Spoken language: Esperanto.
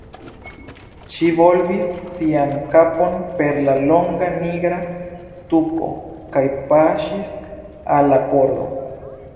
Ŝi volvis sian kapon per la longa nigra tuko kaj paŝis al la pordo.